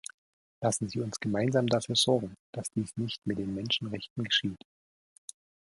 Lassen Sie uns gemeinsam dafür sorgen, dass dies nicht mit den Menschenrechten geschieht.